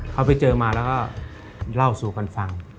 เขาไปเจอมาแล้วก็เล่าสู่กันฟัง